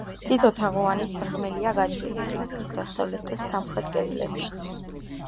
თითო თაღოვანი სარკმელია გაჭრილი ეკლესიის დასავლეთ და სამხრეთ კედლებშიც.